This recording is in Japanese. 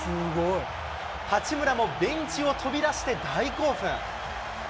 八村もベンチを飛び出して大興奮。